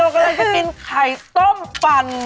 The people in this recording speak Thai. กำลังจะกินไข่ต้มปั่น